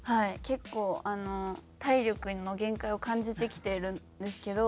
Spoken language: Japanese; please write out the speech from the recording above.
結構あの体力の限界を感じてきてるんですけど